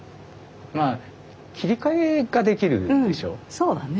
そうだね。